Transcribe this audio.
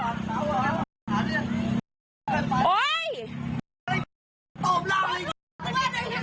โอ๊ยโอ๊ยโอ๊ยโอ๊ย